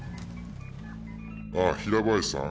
「ああ平林さん？